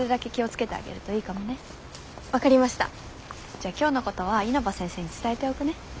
じゃあ今日のことは稲葉先生に伝えておくね。